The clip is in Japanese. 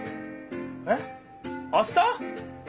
えっあした！？